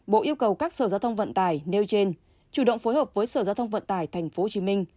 bộ yêu cầu các sở giao thông vận tải nêu trên chủ động phối hợp với sở giao thông vận tải tp hcm